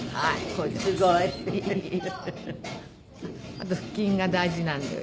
あと腹筋が大事なんで。